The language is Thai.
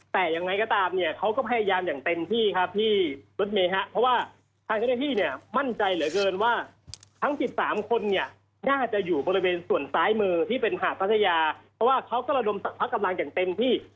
แต่ยังไงก็ตามเนี่ยเขาก็พยายามอย่างเต็มที่ครับที่รถเมย์ฮะเพราะว่าทางเจ้าหน้าที่เนี่ยมั่นใจเหลือเกินว่าทั้ง๑๓คนเนี่ยน่าจะอยู่บริเวณส่วนซ้ายมือที่เป็นหาดพัทยาเพราะว่าเขาก็ระดมพักกำลังอย่างเต็มที่